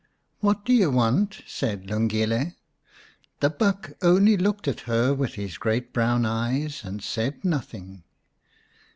" What do you want ?" said Lungile. The buck only looked at her with his great brown eyes, and said nothing.